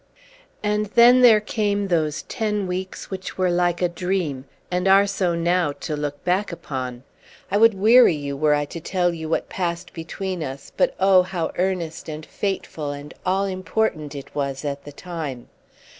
And then there came those ten weeks which were like a dream, and are so now to look back upon. I would weary you were I to tell you what passed between us; but oh, how earnest and fateful and all important it was at the time!